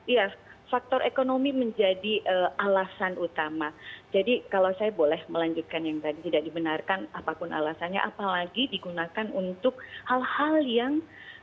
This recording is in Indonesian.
iya faktor ekonomi menjadi alasan utama jadi kalau saya boleh melanjutkan yang tadi tidak dibenarkan apapun alasannya apalagi digunakan untuk hal hal yang